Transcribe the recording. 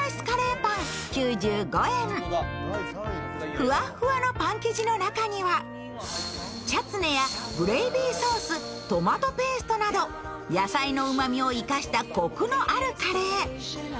ふわふわのパン生地の中にはチャツネやグレイビーソーストマトペーストなど、野菜のうまみを生かしたこくのあるカレー。